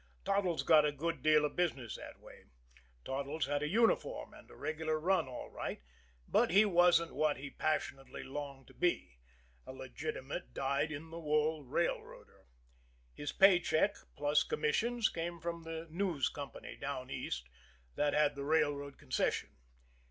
Toddles got a good deal of business that way. Toddles had a uniform and a regular run all right, but he wasn't what he passionately longed to be a legitimate, dyed in the wool railroader. His paycheck, plus commissions, came from the News Company down East that had the railroad concession.